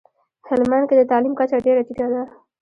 هلمندکي دتعلیم کچه ډیره ټیټه ده